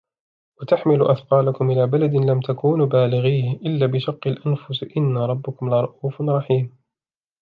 وتحمل أثقالكم إلى بلد لم تكونوا بالغيه إلا بشق الأنفس إن ربكم لرءوف رحيم